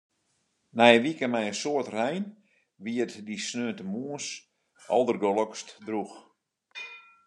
Nei in wike mei in soad rein wie it dy sneontemoarns aldergelokst drûch.